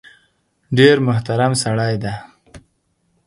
ډېر محترم سړی دی .